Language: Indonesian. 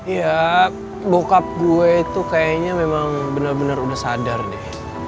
ya bokap gue itu kayaknya memang benar benar udah sadar deh